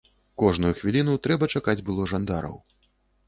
Кожную хвіліну трэба чакаць было жандараў.